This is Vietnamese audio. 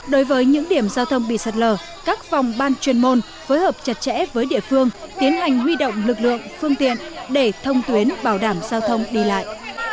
đối với những điểm giao thông bị sạt lở các phòng ban chuyên môn phối hợp chặt chẽ với địa phương tiến hành huy động lực lượng phương tiện để thông tuyến bảo đảm giao thông đi lại